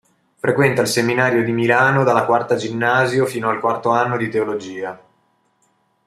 Frequenta il seminario di Milano dalla quarta ginnasio fino al quarto anno di teologia.